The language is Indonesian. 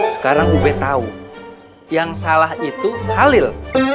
sekarang ubed tahu yang salah itu halil